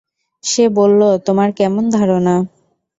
সে বলল, তোমার কেমন ধারণা?